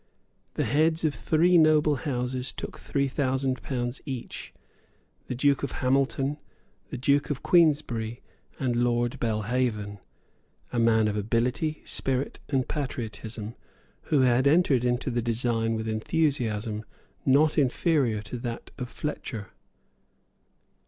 The heads of three noble houses took three thousand pounds each, the Duke of Hamilton, the Duke of Queensbury and Lord Belhaven, a man of ability, spirit and patriotism, who had entered into the design with enthusiasm not inferior to that of Fletcher.